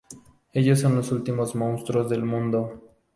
Ellos son los últimos monstruos del mundo.